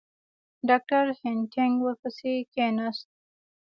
ډاکټر هینټیګ ورپسې کښېنست.